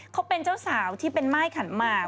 เขาเป็นเจ้าสาวที่เป็นม่ายขันหมาก